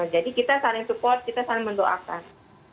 jadi kita saling support kita saling mendoakan